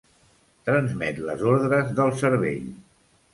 Transmet les ordres del cervell.